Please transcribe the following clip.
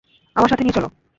আমায় সাথে নিয়ে চলো।